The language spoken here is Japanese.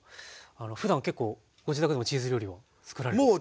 ふだん結構ご自宅でもチーズ料理をつくられてますか？